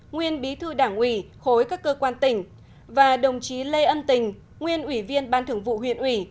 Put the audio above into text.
nguyên bí thư đảng ủy khối các cơ quan tỉnh và đồng chí lê ân tình nguyên ủy viên ban thường vụ huyện ủy